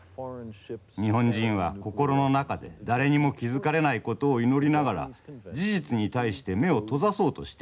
日本人は心の中で誰にも気付かれないことを祈りながら事実に対して目を閉ざそうとしています。